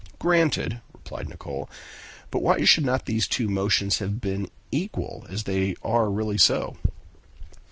"Granted," replied Nicholl, "but why should not these two motions have been equal, as they are really so?"